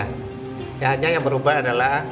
hanya yang berubah adalah